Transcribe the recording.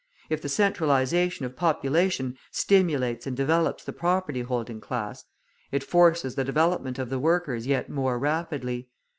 If the centralisation of population stimulates and develops the property holding class, it forces the development of the workers yet more rapidly.